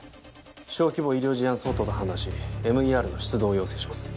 小規模医療事案相当と判断しＭＥＲの出動を要請します